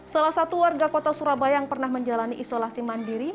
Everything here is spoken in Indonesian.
salah satu warga kota surabaya yang pernah menjalani isolasi mandiri